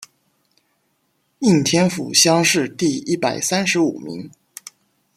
应天府乡试第一百三十五名。